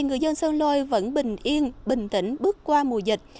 người dân sơn lôi vẫn bình yên bình tĩnh bước qua mùa dịch